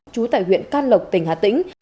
trú tại huyện can lộc tỉnh hà tĩnh